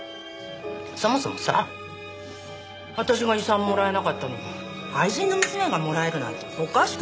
そもそもさ私が遺産もらえなかったのに愛人の娘がもらえるなんておかしくない？